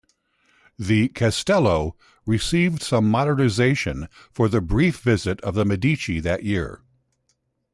The "castello" received some modernization for the brief visit of the Medici that year.